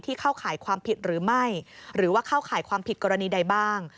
เข้าข่ายความผิดหรือไม่หรือว่าเข้าข่ายความผิดกรณีใดบ้าง